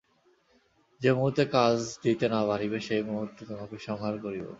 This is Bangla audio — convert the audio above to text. যে মুহূর্তে কাজ দিতে না পারিবে, সেই মুহূর্তে তোমাকে সংহার করিব।